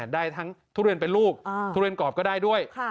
ได้ทั้งทุเรียนเป็นลูกทุเรียนกรอบก็ได้ด้วย